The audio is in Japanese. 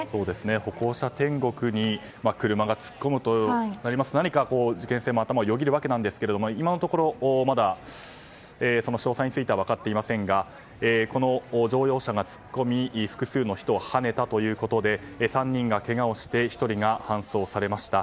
歩行者天国に車が突っ込むとなりますと何か事件性を頭をよぎるわけですが今のところ詳細については分かっていませんがこの乗用車が突っ込み複数の人をはねたということで３人がけがをして１人が搬送されました。